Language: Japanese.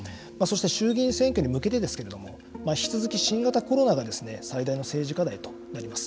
衆議院選挙に向けてですけれども引き続き新型コロナが最大の政治課題となります。